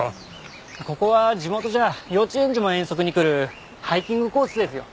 ここは地元じゃ幼稚園児も遠足に来るハイキングコースですよ。